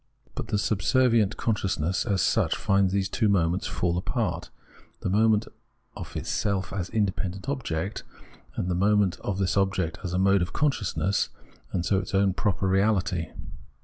But the subservient consciousness as such finds these two moments fall apart — the moment of itself as independent object, and the moment of this object as a mode of conscious ness, and so its own proper reality.